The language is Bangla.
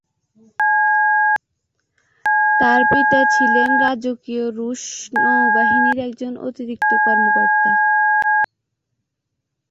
তার পিতা ছিলেন রাজকীয় রুশ নৌবাহিনীর একজন অতিরিক্ত কর্মকর্তা।